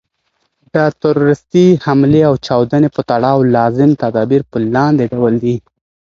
د تروریستي حملې او چاودني په تړاو لازم تدابیر په لاندي ډول دي.